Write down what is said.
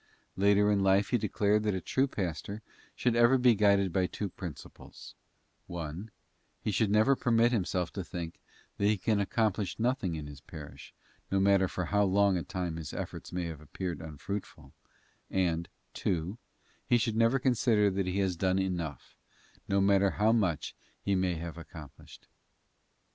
Later in life he declared that a true pastor should ever be guided by two principles: (1), he should never permit himself to think that he can accomplish nothing in his parish, no matter for how long a time his efforts may have appeared unfruitful and, (2), he should never consider that he has done enough, no matter how much he may have accomplished.